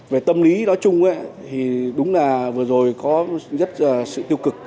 về tâm lý nói chung thì đúng là vừa rồi có rất là sự tiêu cực